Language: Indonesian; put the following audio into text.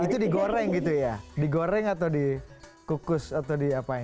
itu digoreng gitu ya digoreng atau dikukus atau diapain